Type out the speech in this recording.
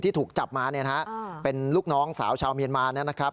ถูกจับมาเนี่ยนะฮะเป็นลูกน้องสาวชาวเมียนมานะครับ